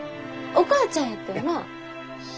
「お母ちゃん」言ったよな？